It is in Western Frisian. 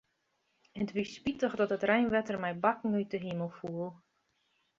It wie spitich dat it reinwetter mei bakken út 'e himel foel.